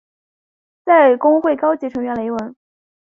在公会高级成员雷文。